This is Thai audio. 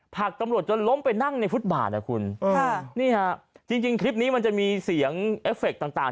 ผลักตำรวจจนล้มไปนั่งในฟุตบาทอ่ะคุณค่ะนี่ฮะจริงจริงคลิปนี้มันจะมีเสียงเอฟเฟคต่าง